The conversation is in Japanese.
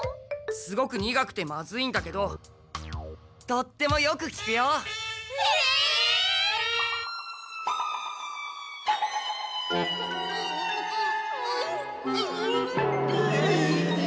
すごく苦くてまずいんだけどとってもよくきくよ。えっ！？ウェッ！